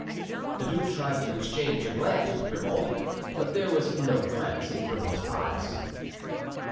The duke tried to exchange a glance with Grimaud, but there was no glance in Grimaud's eyes.